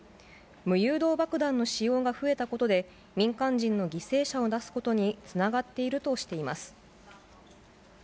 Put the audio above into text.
無誘導爆弾の使用が増えたことで、民間人の犠牲者を出すことにつながっているとしています。